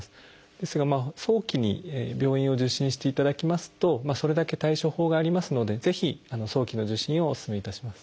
ですが早期に病院を受診していただきますとそれだけ対処法がありますのでぜひ早期の受診をおすすめいたします。